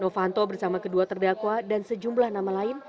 novanto bersama kedua terdakwa dan sejumlah nama lain